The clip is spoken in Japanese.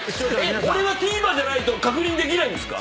俺はＴＶｅｒじゃないと確認できないんですか？